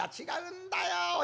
違うんだよ。